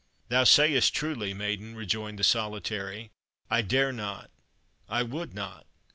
"Thou say'st truly, maiden," rejoined the Solitary; "I dare not I would not.